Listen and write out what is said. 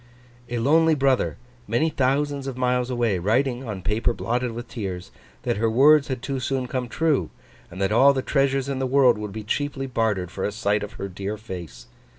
A lonely brother, many thousands of miles away, writing, on paper blotted with tears, that her words had too soon come true, and that all the treasures in the world would be cheaply bartered for a sight of her dear face?